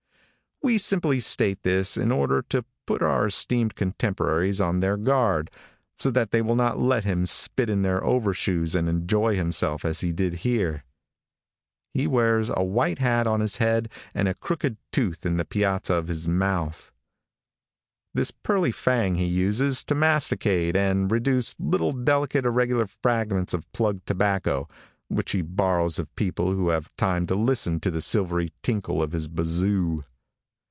We simply state this in order to put our esteemed contemporaries on their guard, so that they will not let him spit in their overshoes and enjoy himself as he did here. He wears a white hat on his head and a crooked tooth in the piazza of his mouth. This pearly fang he uses to masticate and reduce little delicate irregular fragments of plug tobacco, which he borrows of people who have time to listen to the silvery tinkle of his bazoo.